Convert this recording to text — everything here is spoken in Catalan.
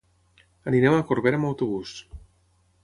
Anirem a Corbera amb autobús.